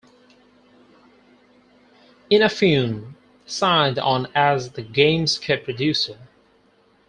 Inafune signed on as the game's co-producer.